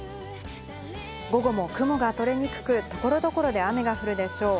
午後も雲が取れにくく、所々で雨が降るでしょう。